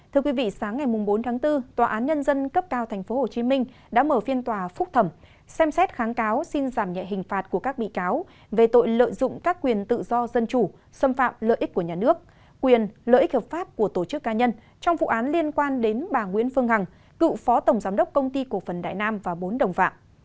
thưa quý vị sáng ngày bốn tháng bốn tòa án nhân dân cấp cao tp hcm đã mở phiên tòa phúc thẩm xem xét kháng cáo xin giảm nhẹ hình phạt của các bị cáo về tội lợi dụng các quyền tự do dân chủ xâm phạm lợi ích của nhà nước quyền lợi ích hợp pháp của tổ chức ca nhân trong vụ án liên quan đến bà nguyễn phương hằng cựu phó tổng giám đốc công ty của phần đại nam và bốn đồng phạm